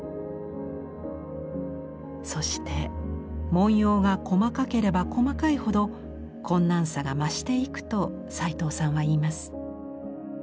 そして文様が細かければ細かいほど困難さが増していくと齊藤さんは言います。